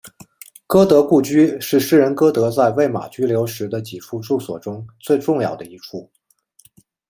歌德故居是诗人歌德在魏玛居留时的几处住所中最重要的一处。